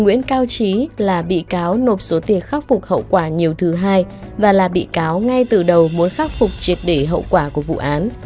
nguyễn cao trí là bị cáo nộp số tiền khắc phục hậu quả nhiều thứ hai và là bị cáo ngay từ đầu muốn khắc phục triệt để hậu quả của vụ án